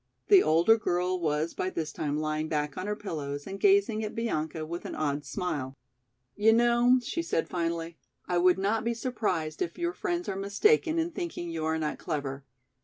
The older girl was by this time lying back on her pillows and gazing at Bianca with an odd smile. "You know," she said finally, "I would not be surprised if your friends are mistaken in thinking you are not clever.